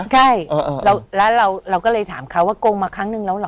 ใช่แล้วเราก็เลยถามเขาว่าโกงมาครั้งนึงแล้วเหรอ